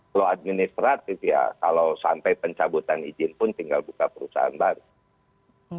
kalau administratif ya kalau sampai pencabutan izin pun tinggal buka perusahaan baru